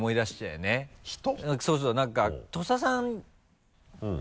そうそう何か土佐さんより。